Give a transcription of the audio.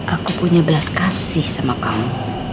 aku punya belas kasih sama kamu